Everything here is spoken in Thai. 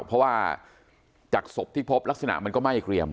เพราะว่าจากศพที่พบลักษณะมันก็ไหม้เกรียม